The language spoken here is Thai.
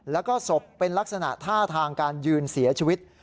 แล้วก็ศพเป็นลักษณะท่าทางการยืนเสียชีวิต